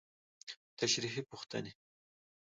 تشريحي پوښتنې: